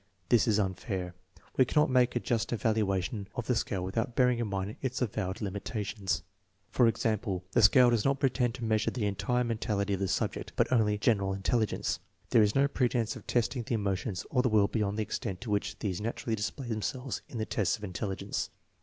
This is unfair. We cannot make a just evaluation of the scale without bearing in mind its avowed limita tions. For .example, the scale does not pretend to measure the entire mentality of the subject, but only general intelli gence* There is no pretense of testing the emotions or the will beyond the extent to which these naturally display themselves in the tests of intelligence.